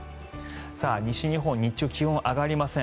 西日本、日中気温が上がりません。